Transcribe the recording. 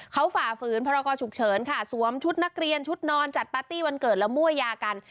เขาฝ่าฝืนพรกรฉุกเฉินค่ะสวมชุดนักเรียนชุดนอนจัดปาร์ตี้วันเกิดแล้วมั่วยากัน